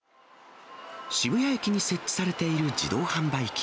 渋谷駅に設置されている自動販売機。